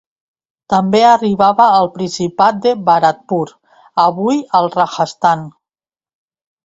També arribava al principat de Bharatpur avui al Rajasthan.